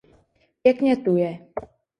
Pěkně tu je.